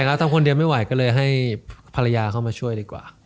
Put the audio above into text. แล้วทำคนเดียวไม่ไหวก็เลยให้ภรรยาเข้ามาช่วยดีกว่า